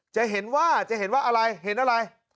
จะเห็นว่าจะเห็นว่าอะไรเห็นอะไร